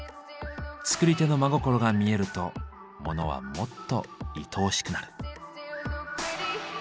作り手の真心が見えるとモノはもっといとおしくなる。